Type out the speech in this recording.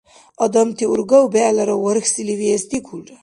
Адамти ургав бегӏлара вархьсили виэс дигулра.